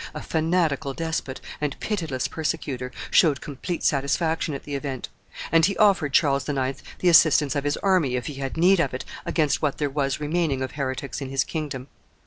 a fanatical despot, and pitiless persecutor, showed complete satisfaction at the event; and he offered Charles IX. the assistance of his army, if he had need of it, against what there was remaining of heretics in his kingdom.